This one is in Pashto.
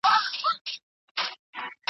کله چي مغول کمزوري سول حاکمانو فرصت وموند.